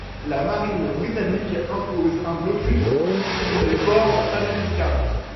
La marine britannique impose un blocus sur les ports américains.